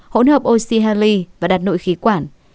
hỗn hợp oxy herly và đặt nội khí quản